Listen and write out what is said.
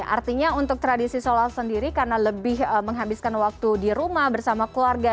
artinya untuk tradisi sholat sendiri karena lebih menghabiskan waktu di rumah bersama keluarga